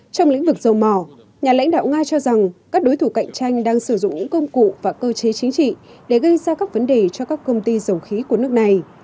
trong lĩnh vực dầu mỏ nhà lãnh đạo nga cho rằng các đối thủ cạnh tranh đang sử dụng những công cụ và cơ chế chính trị để gây ra các vấn đề cho các công ty dầu khí của nước này